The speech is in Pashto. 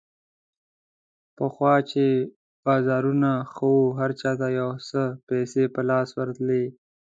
پخوا چې بازارونه ښه وو، هر چا ته یو څه پیسې په لاس ورتللې.